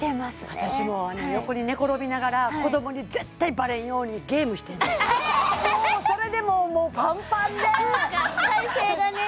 私も横に寝転びながら子どもに絶対バレんようにゲームしてんのもうそれでもうパンパンで体勢がね